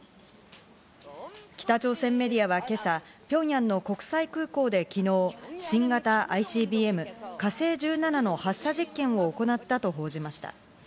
北朝鮮メディアは今朝、ピョンヤンの国際空港で昨日、新型ＩＣＢＭ「火星１７」の発射実験を行ったと報じました。